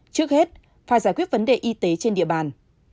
trước hết phải giải quyết vấn đề y tế trên địa bàn